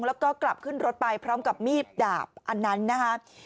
แล้วก็กลับขึ้นรถไปพร้อมกับมีดดาบอันนั้นนะครับ